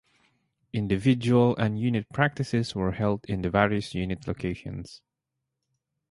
Individual and unit practices were held in the various unit locations.